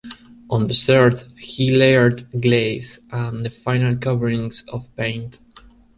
On the third he layered glaze and the final coverings of paint.